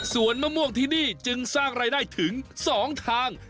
มะม่วงที่นี่จึงสร้างรายได้ถึง๒ทาง